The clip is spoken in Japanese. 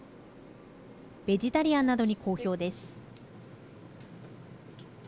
ベジタリアンなどに好評です。